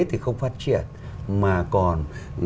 thì không phát triển mà còn